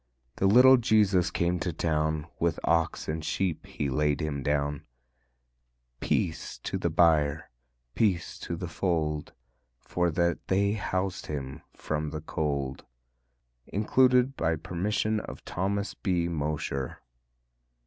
The little Jesus came to town; With ox and sheep He laid Him down. Peace to the byre, peace to the fold, For that they housed Him from the cold. Lisette Woodworth Reese _Included by permission of Thomas B. Mosher.